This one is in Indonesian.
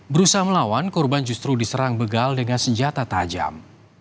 berusaha melawan korban justru diserang begal dengan senjata tajam